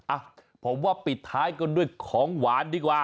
อ่ะผมว่าปิดท้ายกันด้วยของหวานดีกว่า